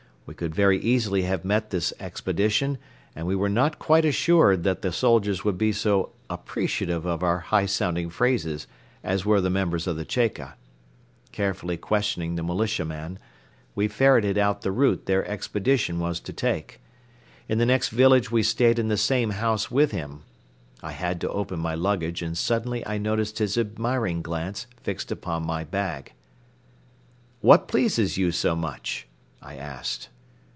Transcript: We could very easily have met this expedition and we were not quite assured that the soldiers would be so appreciative of our high sounding phrases as were the members of the "Cheka." Carefully questioning the militiaman, we ferreted out the route their expedition was to take. In the next village we stayed in the same house with him. I had to open my luggage and suddenly I noticed his admiring glance fixed upon my bag. "What pleases you so much?" I asked.